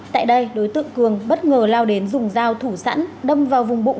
tại đây đối tượng cường bất ngờ lao đến dùng dao thủ sẵn đâm vào vùng bụng